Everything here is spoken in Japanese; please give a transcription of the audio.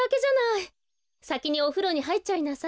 さきにおふろにはいっちゃいなさい。